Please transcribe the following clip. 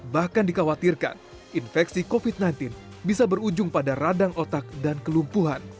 bahkan dikhawatirkan infeksi covid sembilan belas bisa berujung pada radang otak dan kelumpuhan